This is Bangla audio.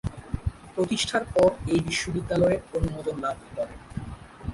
প্রতিষ্ঠার পর এই বিশ্ববিদ্যালয়ের অনুমোদন লাভ করে।